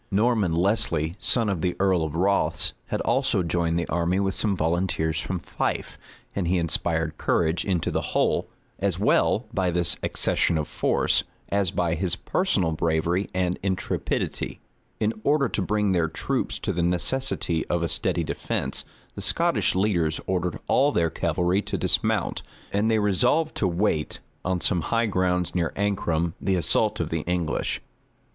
Norman Lesly, son of the earl of Rothes, had also joined the army with some volunteers from Fife; and he inspired courage into the whole, as well by this accession of force, as by his personal bravery and intrepidity. In order to bring their troops to the necessity of a steady defence, the Scottish leaders ordered all their cavalry to dismount, and they resolved to wait, on some high grounds near Ancram, the assault of the English.